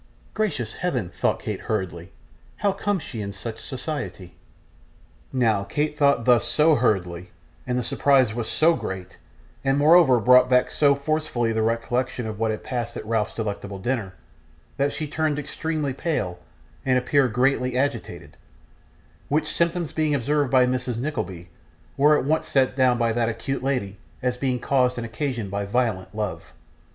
'Gracious Heaven!' thought Kate hurriedly. 'How comes she in such society?' Now, Kate thought thus SO hurriedly, and the surprise was so great, and moreover brought back so forcibly the recollection of what had passed at Ralph's delectable dinner, that she turned extremely pale and appeared greatly agitated, which symptoms being observed by Mrs. Nickleby, were at once set down by that acute lady as being caused and occasioned by violent love.